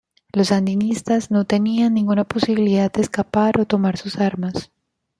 Los sandinistas no tenían ninguna posibilidad de escapar o tomar sus armas.